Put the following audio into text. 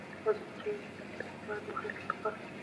ازادي راډیو د بانکي نظام په اړه د محلي خلکو غږ خپور کړی.